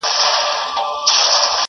o چي پيلان کوي، پيلخانې به جوړوي٫